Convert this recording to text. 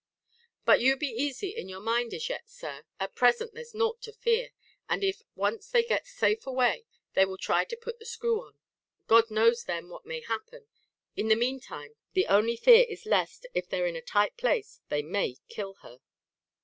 "But you be easy in your mind as yet, Sir; at present there's naught to fear. But if once they get safe away, they will try to put the screw on. God knows then what may happen. In the meantime, the only fear is lest, if they're in a tight place, they may kill her!"